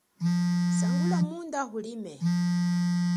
Sangula munda ulime.